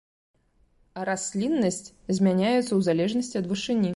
Расліннасць змяняецца ў залежнасці ад вышыні.